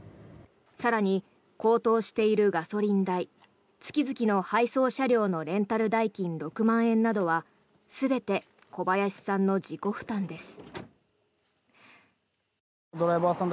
更に、高騰しているガソリン代月々の配送車両のレンタル代金６万円などは全て小林さんの自己負担です。